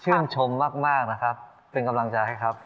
ชมมากนะครับเป็นกำลังใจให้ครับ